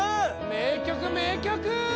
名曲名曲！